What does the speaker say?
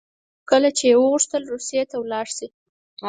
کله چې یې وغوښتل روسیې ته ولاړ شي.